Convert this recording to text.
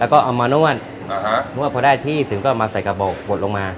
แล้วก็เอามานวดนวดพอได้ที่ถึงก็มาใส่กระบอกบดลงมา